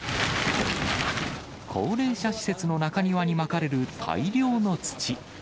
高齢者施設の中庭にまかれる大量の土。